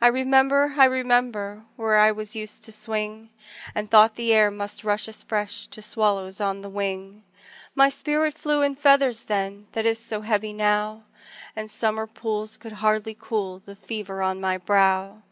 I remember, I remember Where I was used to swing, And thought the air must rush as fresh To swallows on the wing; My spirit flew in feathers then That is so heavy now, The summer pools could hardly cool The fever on my brow.